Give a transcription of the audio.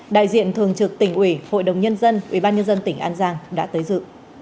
đại diện thường trực tỉnh ủy hội đồng nhân dân ủy ban nhân dân tỉnh an giang đã tới dự